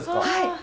はい。